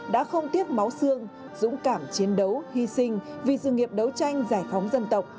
đã không tiếc máu xương dũng cảm chiến đấu hy sinh vì sự nghiệp đấu tranh giải phóng dân tộc